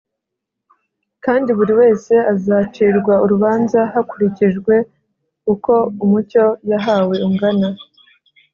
, kandi buri wese azacirwa urubanza hakurikijwe uko umucyo yahawe ungana